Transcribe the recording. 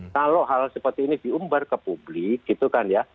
kalau hal seperti ini diumbar ke publik gitu kan ya